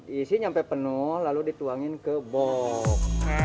diisi sampai penuh lalu dituangin ke box